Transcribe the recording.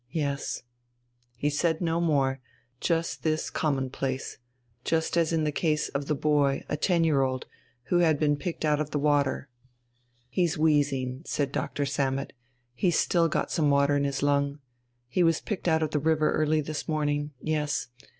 Yes." He said no more, just this commonplace just as in the case of the boy, a ten year old, who had been picked out of the water. "He's wheezing," said Doctor Sammet, "he's still got some water in his lung. He was picked out of the river early this morning yes.